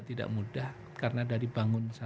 tidak mudah karena dari bangunan